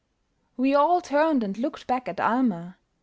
We all turned and looked back at Almer.